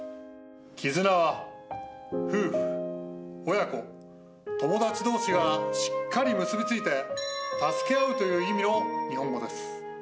絆は夫婦親子友達同士がしっかり結び付いて助け合うという意味の日本語です。